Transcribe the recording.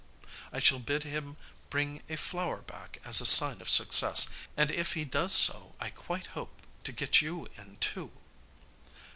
I shall bid him bring a flower back as a sign of success; and if he does so I quite hope to get you in too.